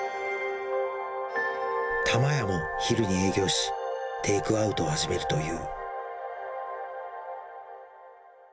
玉やも昼に営業し、テイクアウトを始めるという。